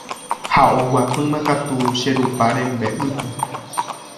Ha oguapýmakatu che rupa rembe'ýpe.